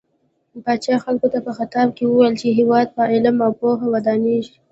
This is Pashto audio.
پاچا خلکو ته په خطاب کې وويل چې هيواد په علم او پوهه ودانيږي .